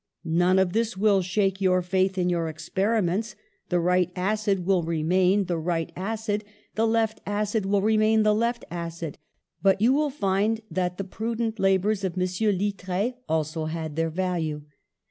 None of this will shake your faith in your experiments; the right acid will remain THE SOVEREIGNTY OF GENIUS 147 the right acid, the left acid will remain the left acid. But you will find that the prudent la bours of M. Littre also had their value.